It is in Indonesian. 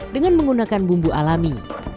dengan menggunakan bumbu alami